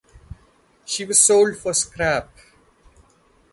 She was sold for scrap.